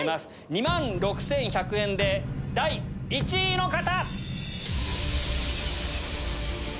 ２万６１００円で第１位の方！